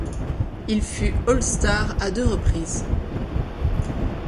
Il fut All-Star à deux reprises.